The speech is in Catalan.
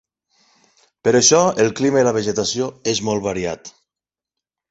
Per això el clima i la vegetació és molt variat.